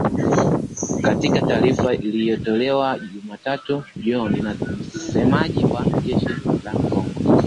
Katika taarifa iliyotolewa Jumatatu jioni na msemaji wa jeshi la Kongo